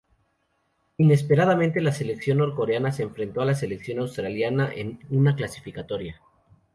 Inesperadamente, la selección norcoreana se enfrentó a la selección australiana en una clasificatoria.